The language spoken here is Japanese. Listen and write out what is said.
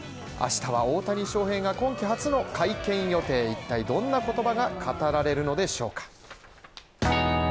明日は大谷翔平が今季初の会見予定、一体、どんな言葉が語られるのでしょうか。